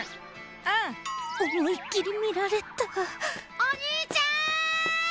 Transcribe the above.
うん思いっきり見られたお兄ちゃん